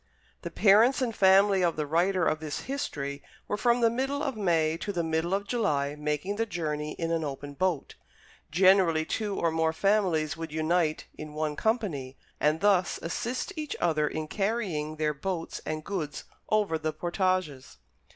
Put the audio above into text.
The parents and family of the writer of this history were from the middle of May to the middle of July making the journey in an open boat. Generally two or more families would unite in one company, and thus assist each other in carrying their boats and goods over the portages.